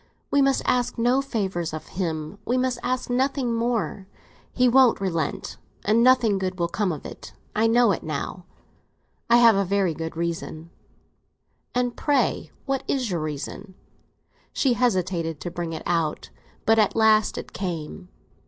"We must ask no favours of him—we must ask nothing more. He won't relent, and nothing good will come of it. I know it now—I have a very good reason." "And pray; what is your reason?" She hesitated to bring it out, but at last it came.